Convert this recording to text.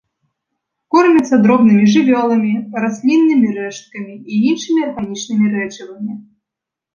Кормяцца дробнымі жывёламі, расліннымі рэшткамі і іншымі арганічнымі рэчывамі.